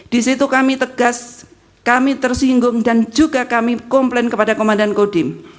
di situ kami tegas kami tersinggung dan juga kami komplain kepada komandan kodim